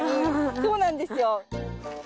そうなんですよ。